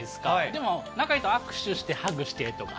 でも、仲いいと、握手してハグしてとか。